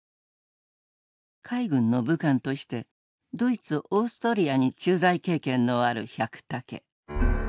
海軍の武官としてドイツオーストリアに駐在経験のある百武。